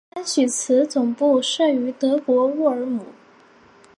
安许茨总部设于德国乌尔姆。